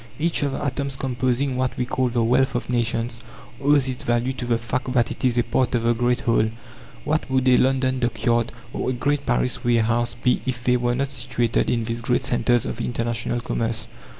Each of the atoms composing what we call the Wealth of Nations owes its value to the fact that it is a part of the great whole. What would a London dockyard or a great Paris warehouse be if they were not situated in these great centres of international commerce?